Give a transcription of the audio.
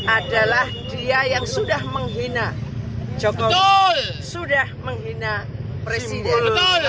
adalah dia yang sudah menghina jokowi sudah menghina presiden